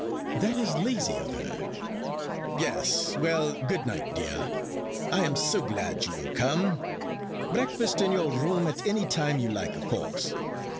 "That is lazy of her." "Yes. Well, good night, dear. I am so glad you will come. Breakfast in your room at any time you like of course.